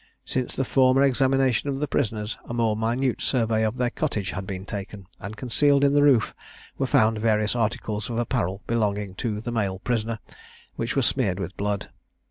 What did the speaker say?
Since the former examination of the prisoners, a more minute survey of their cottage had been taken, and concealed in the roof were found various articles of apparel, belonging to the male prisoner, which were smeared with blood.